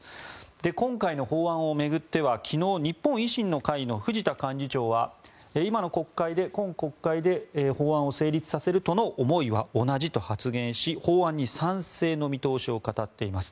今回の法案を巡っては、昨日日本維新の会の藤田幹事長は今の国会で法案を成立させるとの思いは同じと発言し法案に賛成の見通しを語っています。